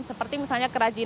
seperti misalnya kerajaan